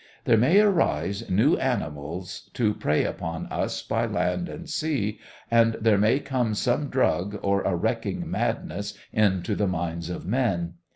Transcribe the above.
There may arise new animals to prey upon us by land and sea, and there may come some drug or a wrecking madness into the minds of men.